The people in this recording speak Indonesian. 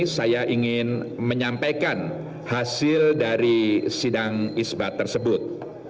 saya ingin menyampaikan hasil dari sidang isbat tersebut